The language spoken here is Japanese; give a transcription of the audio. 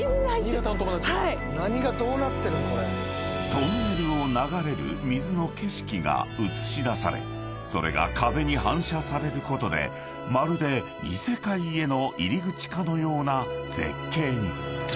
［トンネルを流れる水の景色が映し出されそれが壁に反射されることでまるで異世界への入り口かのような絶景に］